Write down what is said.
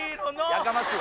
やかましい